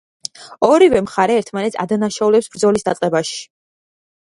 ორივე მხარე ერთმანეთს ადანაშაულებს ბრძოლის დაწყებაში.